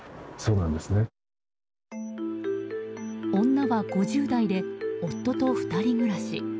女は５０代で夫と２人暮らし。